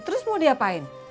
terus mau diapain